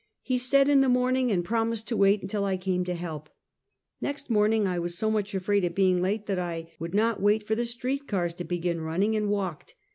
He said in the morning, and promised to wait until I came to help. I^ext morning I was so much afraid of being late that I would not wait for the street cars to begin running, but walked.